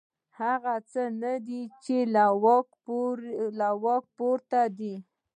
هغه څه نه دي چې له واک پورته دي.